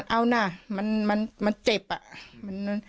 เอานะมันเจ็บอ่ะ